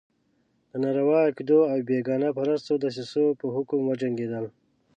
د ناروا عقدو او بېګانه پرستو دسیسو په حکم وجنګېدل.